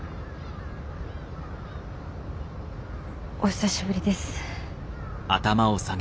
お久しぶりです。